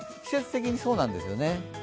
季節的にそうなんですよね。